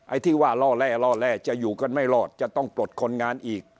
ที่ว่าล่อแร่ล่อแร่จะอยู่กันไม่รอดจะต้องปลดคนงานอีก